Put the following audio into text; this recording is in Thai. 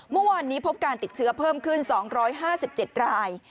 เมื่อวานนี้พบการติดเชื้อเพิ่มขึ้น๒๕๗ราย